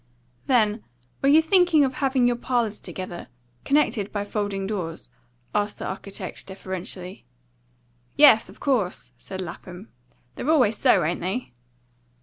"Then, were you thinking of having your parlours together, connected by folding doors?" asked the architect deferentially. "Yes, of course," said Lapham. "They're always so, ain't they?"